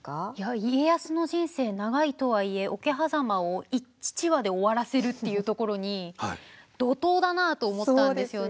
家康の人生長いとはいえ桶狭間を１話で終わらせるというところに怒とうだなと思ったんですよね。